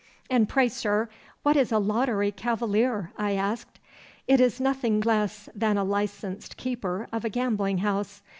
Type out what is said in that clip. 'And pray, sir, what is a lottery cavalier?' I asked. 'It is nothing else than a licensed keeper of a gambling house.